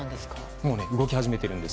もう動き始めているんです。